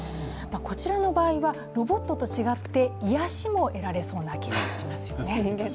こちらの場合は、ロボットと違って癒やしも得られそうな気がしますよね。